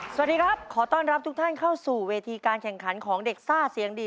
สวัสดีครับขอต้อนรับทุกท่านเข้าสู่เวทีการแข่งขันของเด็กซ่าเสียงดี